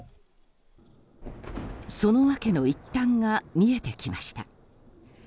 その訳の一端が見えてきました。